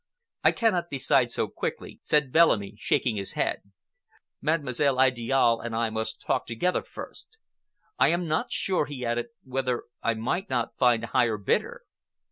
"I cannot decide so quickly," said Bellamy, shaking his head. "Mademoiselle Idiale and I must talk together first. I am not sure," he added, "whether I might not find a higher bidder."